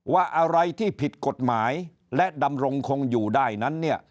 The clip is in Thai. ว่าอะไรที่ผิดกฎหมายและดำรงคงอยู่ได้นั้นเนี่ย